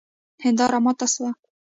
هنداره ماته سوه